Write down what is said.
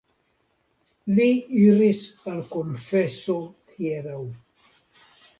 Li iris al konfeso hieraŭ.